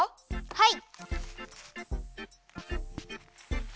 はい。